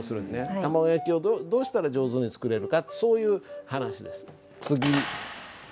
卵焼きをどうしたら上手に作れるかそういう話です。